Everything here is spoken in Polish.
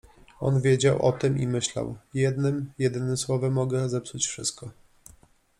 On wiedział o tym i myślał: — Jednym jedynym słowem mogę zepsuć wszystko.